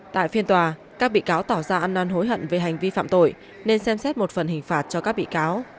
tại phiên tòa các bị cáo tỏ ra ăn năn hối hận về hành vi phạm tội nên xem xét một phần hình phạt cho các bị cáo